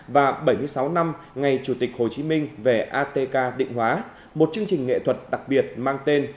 và bảy mươi sáu năm ngày chủ tịch hồ chí minh về atk định hóa một chương trình nghệ thuật đặc biệt mang tên